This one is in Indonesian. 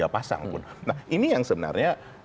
pasang pun nah ini yang sebenarnya